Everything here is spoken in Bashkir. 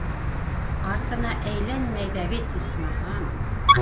Артына әйләнмәй ҙә бит, исмаһам!